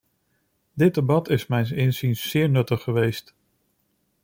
Dit debat is mijns inziens zeer nuttig geweest.